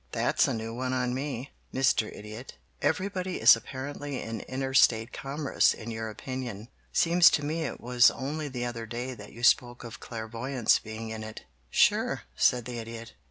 "That's a new one on me, Mr. Idiot. Everybody is apparently in Interstate Commerce in your opinion. Seems to me it was only the other day that you spoke of Clairvoyants being in it." "Sure," said the Idiot.